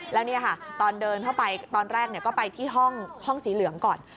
แล้วนี่ค่ะตอนเดินเข้าไปตอนแรกก็ไปที่ห้องสีเหลืองก่อน